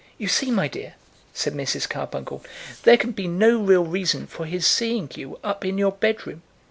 "You see, my dear," said Mrs. Carbuncle, "there can be no real reason for his seeing you up in your bedroom.